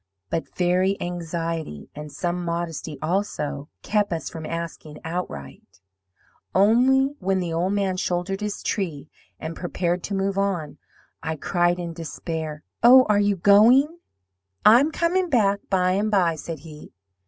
But very anxiety, and some modesty also, kept us from asking outright. "Only when the old man shouldered his tree, and prepared to move on, I cried in despair, 'Oh, are you going?' "'I'm coming back by and by,' said he.